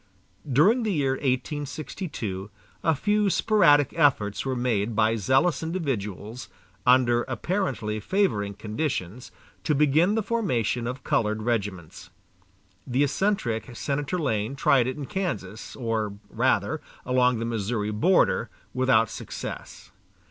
During the year 1862, a few sporadic efforts were made by zealous individuals, under apparently favoring conditions, to begin the formation of colored regiments. The eccentric Senator Lane tried it in Kansas, or, rather, along the Missouri border without success.